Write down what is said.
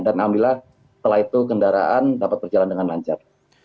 dan alhamdulillah setelah itu kendaraan dapat berjalan dengan lancar